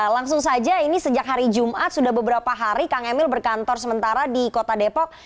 langsung saja ini sejak hari jumat sudah beberapa hari kang emil berkantor sementara di kota depok